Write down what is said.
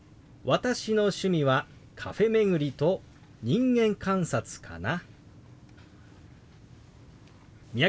私の趣味はカフェ巡りと人間観察かな。